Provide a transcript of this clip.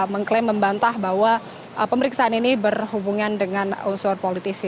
mengklaim membantah bahwa pemeriksaan ini berhubungan dengan unsur politisi